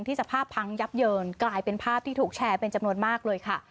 สภาพพังยับเยินกลายเป็นภาพที่ถูกแชร์เป็นจำนวนมากเลยค่ะ